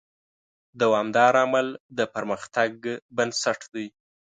دوامداره عمل د پرمختګ بنسټ دی.